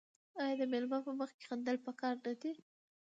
آیا د میلمه په مخ کې خندل پکار نه دي؟